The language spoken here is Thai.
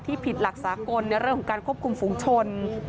ผิดหลักสากลในเรื่องของการควบคุมฝุงชน